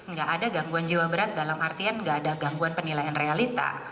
nggak ada gangguan jiwa berat dalam artian nggak ada gangguan penilaian realita